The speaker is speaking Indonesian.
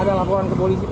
ada laporan ke polisi